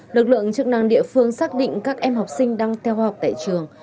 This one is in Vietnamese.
lực lượng chức năng địa phương xác định các em học sinh đang theo học tại trường